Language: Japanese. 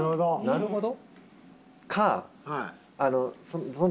なるほど！